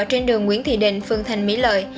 trên đường nguyễn thị định phường thành mỹ lợi